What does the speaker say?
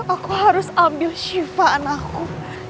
aku harus ambil shiva anakku